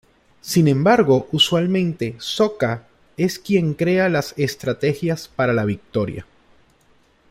Sin embargo usualmente Sokka es quien crea las estrategias para la victoria.